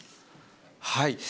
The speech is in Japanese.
はい。